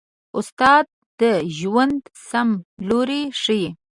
استاد د ژوند سم لوری ښيي.